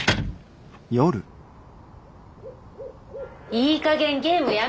いいかげんゲームやめなさい。